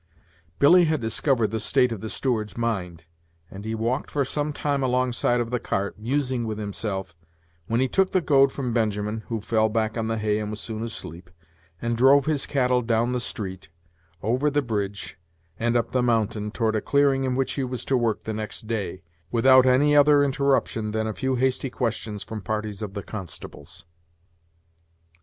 Billy had discovered the state of the steward's mind, and he walked for some time alongside of the cart, musing with himself, when he took the goad from Benjamin (who fell back on the hay and was soon asleep) and drove his cattle down the street, over the bridge, and up the mountain, toward a clearing in which he was to work the next day, without any other interruption than a few hasty questions from parties of the constables.